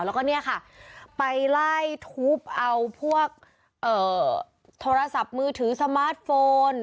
แล้วก็เนี่ยค่ะไปไล่ทุบเอาพวกโทรศัพท์มือถือสมาร์ทโฟน